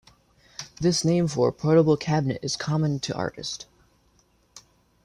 This name for a portable cabinet is common to artists.